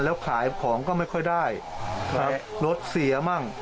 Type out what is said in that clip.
แล้วขายของก็ไม่ค่อยได้รถเสียมั่ง